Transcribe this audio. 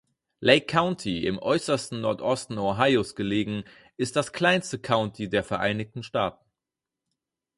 Lake County, im äußersten Nordosten Ohios gelegen, ist das kleinste County der Vereinigten Staaten.